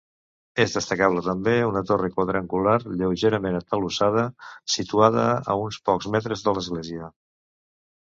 És destacable també una torre quadrangular, lleugerament atalussada, situada a uns pocs metres de l'església.